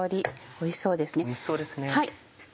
おいしそうですね。